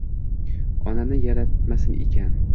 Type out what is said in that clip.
Onani yaratmasin ekan